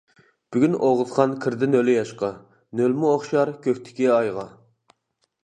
بۈگۈن ئوغۇزخان كىردى نۆل ياشقا، نۆلمۇ ئوخشار، كۆكتىكى ئايغا.